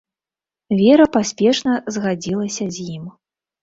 Вера паспешна згадзілася з ім.